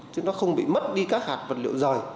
chứ nó không bị mất đi các hạt vật liệu rời